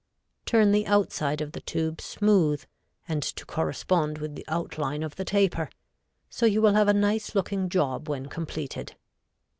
Turn the outside of the tube smooth and to correspond with the outline of the taper, so you will have a nice looking job when completed.